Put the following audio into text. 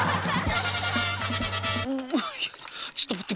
んちょっと待って。